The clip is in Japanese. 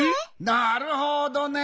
なるほどね！